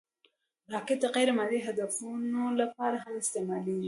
راکټ د غیر مادي هدفونو لپاره هم استعمالېږي